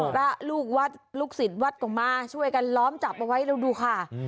พระลูกวัดลูกศิลป์วัดกลังมาช่วยกันล้อมจับเอาไว้แล้วดูค่ะอืม